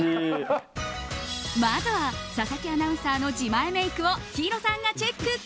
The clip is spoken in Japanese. まずは佐々木アナウンサーの自前メイクをヒロさんがチェック。